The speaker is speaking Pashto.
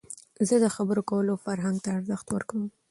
زه د خبرو کولو فرهنګ ته ارزښت ورکوم.